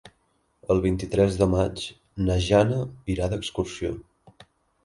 El vint-i-tres de maig na Jana irà d'excursió.